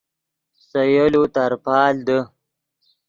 سے یولو ترپال دے